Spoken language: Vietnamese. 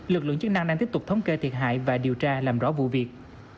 lực lượng chức năng đang tiếp tục thống kê thiệt hại và điều tra làm rõ vụ việc